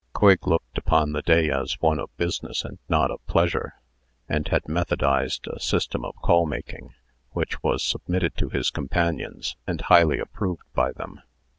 Quigg looked upon the day as one of business, and not of pleasure, and had methodized a system of callmaking, which was submitted to his companions, and highly approved by them.